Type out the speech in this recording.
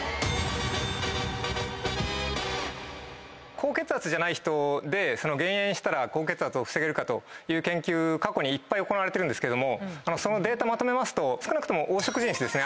⁉高血圧じゃない人で減塩したら高血圧を防げるかという研究過去にいっぱい行われてるけどもそのデータまとめますと少なくとも黄色人種ですね